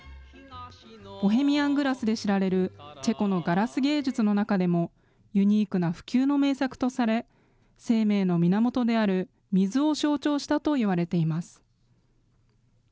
ボヘミアングラスで知られるチェコのガラス芸術の中でも、ユニークな不朽の名作とされ、生命の源である水を象徴したといわれています。